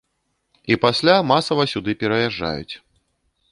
І пасля масава сюды пераязджаюць.